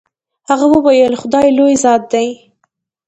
هغه وويل خداى لوى ذات دې.